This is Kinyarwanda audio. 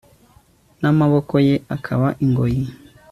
n'amaboko ye akaba ingoyi